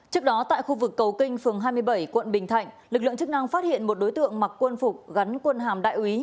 trước đó tại khu vực cầu kinh phường hai mươi bảy quận bình thạnh lực lượng chức năng phát hiện một đối tượng mặc quân phục gắn quân hàm đại úy